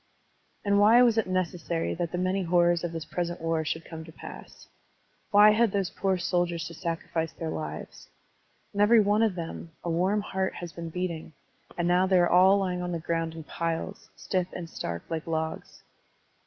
And why was it necessary that the many horrors of this present war should come to pass? Why had those poor soldiers to sacrifice their lives? In every one of them a warm heart has been beating, and now they are all lying on the grotmd in piles, stiff and stark like logs.